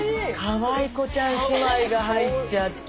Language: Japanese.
かわいこちゃん姉妹が入っちゃって。